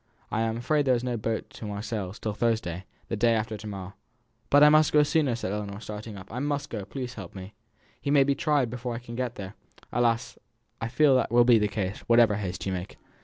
I am afraid there is no boat to Marseilles till Thursday, the day after to morrow." "But I must go sooner!" said Ellinor, starting up. "I must go; please help me. He may be tried before I can get there!" "Alas! I fear that will be the case, whatever haste you make.